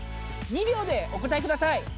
２秒でお答えください。